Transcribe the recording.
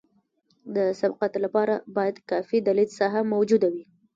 د سبقت لپاره باید کافي د لید ساحه موجوده وي